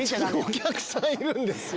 お客さんいるんですよ